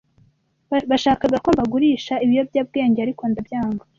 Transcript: Bashakaga ko mbagurisha ibiyobyabwenge, ariko ndabyanga.